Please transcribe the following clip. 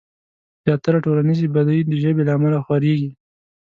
زياتره ټولنيزې بدۍ د ژبې له امله خورېږي.